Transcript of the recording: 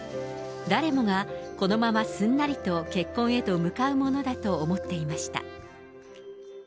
誰もがこのまますんなりと結婚へと向かうものだと思っていました。